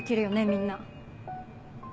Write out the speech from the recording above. みんな。